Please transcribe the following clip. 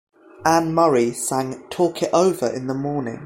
Anne Murray sang "Talk It Over in the Morning".